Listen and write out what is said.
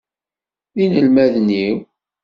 D inelmaden-iw.